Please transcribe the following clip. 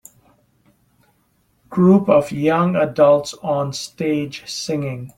Group of young adults on stage singing.